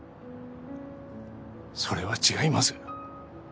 それは違います。